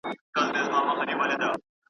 په شېلو کي پړانګ په منډو کړ ځان ستړی .